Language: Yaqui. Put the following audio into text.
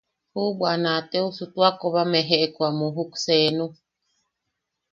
Juʼubwa a naateosu tua koba mejeʼeku a muujuk seenu.